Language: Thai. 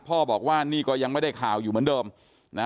บอกว่านี่ก็ยังไม่ได้ข่าวอยู่เหมือนเดิมนะ